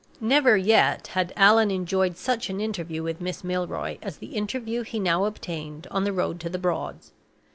Never yet had Allan enjoyed such an interview with Miss Milroy as the interview he now obtained on the road to the Broads.